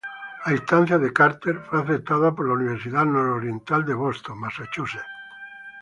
A instancias de Carter fue aceptada por la Universidad Nororiental en Boston, Massachusetts.